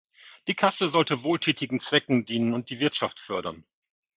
Die Kasse sollte wohltätigen Zwecken dienen und die Wirtschaft fördern.